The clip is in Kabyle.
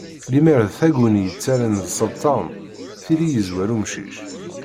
Lemmer d taguni yettarran d sselṭan, tili yezwer umcic.